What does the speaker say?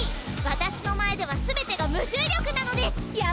私の前では全てが無重力なのですっ。